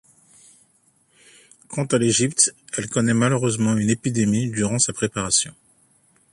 Quant à l’Égypte, elle connait malheureusement une épidémie durant sa préparation.